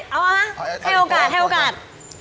เอาละให้โอกาส